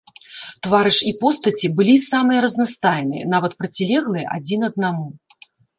Твары ж і постаці былі самыя разнастайныя, нават процілеглыя адзін аднаму.